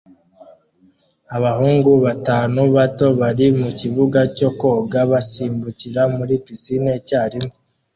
Abahungu batanu bato bari mukibuga cyo koga basimbukira muri pisine icyarimwe